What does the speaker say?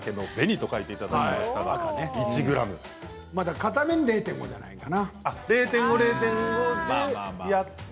片面０．５じゃないかな。